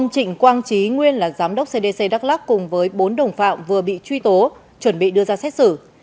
trịnh quang trí nguyên là giám đốc cdc đắk lắc cùng với bốn đồng phạm vừa bị truy tố chuẩn bị đưa ra xét xử